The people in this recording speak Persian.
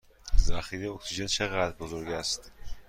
ذخیره اکسیژن چه قدر بزرگ است؟